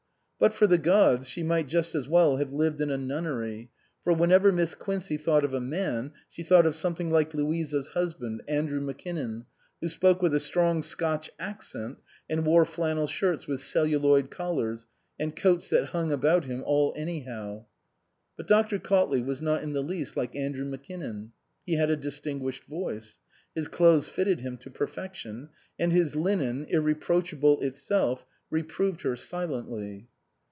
But for the gods she might just as well have lived in a nunnery, for whenever Miss Quincey thought of a man she thought of something like Louisa's husband, Andrew Mackinnon, who spoke with a strong Scotch accent, and wore flannel shirts with celluloid collars, and coats that hung about him all anyhow. But Dr. Cautley was not in the least like Andrew Mac kinnon. He had a distinguished voice ; his clothes fitted him to perfection ; and his linen, irreproachable itself, reproved her silently.